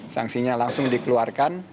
sanksinya langsung dikeluarkan